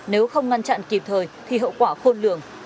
nếu không ngăn chặn kịp thời thì hậu quả khôn lường